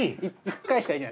１回しかできない。